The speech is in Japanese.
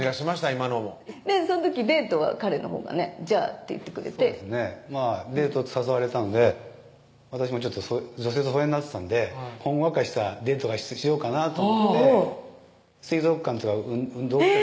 今のもその時デートは彼のほうがね「じゃあ」って言ってくれてデートに誘われたんで私も女性と疎遠になってたんでほんわかしたデートがしようかなと思って水族館とかへぇ！